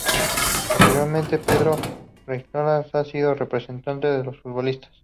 Posteriormente, Pedro Riesco ha sido representante de futbolistas.